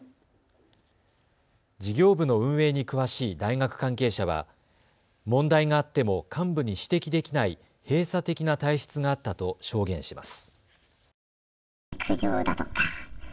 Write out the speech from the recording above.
事業部の運営に詳しい大学関係者は問題があっても幹部に指摘できない閉鎖的な体質があったと証言します。